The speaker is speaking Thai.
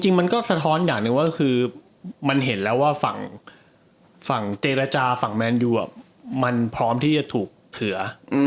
มันก็สะท้อนอย่างหนึ่งก็คือมันเห็นแล้วว่าฝั่งเจรจาฝั่งแมนยูมันพร้อมที่จะถูกเผื่อ